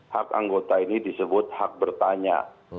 hak anggota ini disebut hak bertanya